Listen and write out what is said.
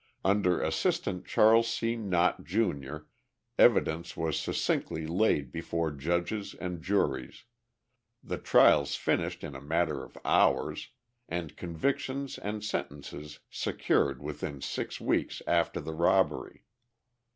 Under Assistant Charles C. Nott, Jr., evidence was succinctly laid before judges and juries, the trials finished in a matter of hours, and convictions and sentences secured within six weeks after the robbery.